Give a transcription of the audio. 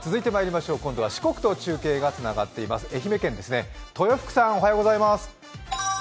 今度は四国と中継がつながっています、豊福さん。